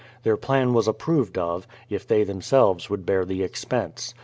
Their plan was approved of, if they them selves would bear the expense.